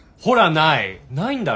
ほらない！